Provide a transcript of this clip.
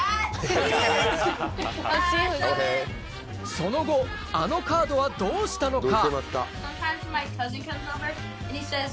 その後あのカードはどうしたのか？